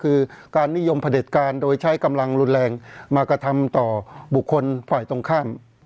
หรือไส้แท้ก็คือการนิยมภาเด็ดการโดยใช้กำลังหลุดแรงมากระทำต่อบุคคลฝ่ายตรงข้าม